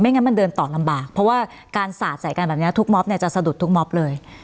งั้นมันเดินต่อลำบากเพราะว่าการสาดใส่กันแบบนี้ทุกม็อบเนี่ยจะสะดุดทุกม็อบเลย